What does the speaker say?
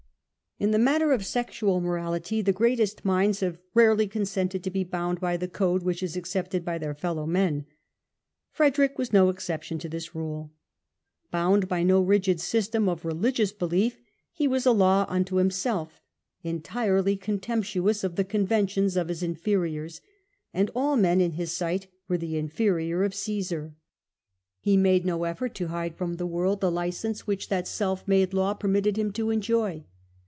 In the matter of sexual morality, the greatest minds have rarely consented to be bound by the code which is accepted by their fellow men. Frederick was no exception to this rule. Bound by no rigid system of religious belief he was a law unto himself : entirely contemptuous of the conventions of his inferiors and all men in his sight were the inferior of Caesar he made 288 STUPOR MUNDI no effort to hide from the world the licence which that self made law permitted him to enjoy.